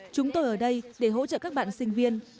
chúng tôi ở đây để hỗ trợ các bạn sinh viên